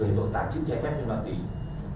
về tổng tạm chức trái phép trên bàn tùy